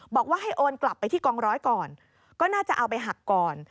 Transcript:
บอกว่าให้โอนกลับไปที่กองร้อยก่อนก็น่าจะเอาไปหักก่อน